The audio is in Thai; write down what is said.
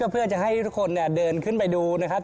เพื่อจะให้ทุกคนเดินขึ้นไปดูนะครับ